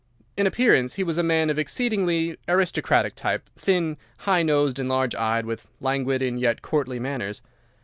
In appearance he was a man of exceedingly aristocratic type, thin, high nosed, and large eyed, with languid and yet courtly manners.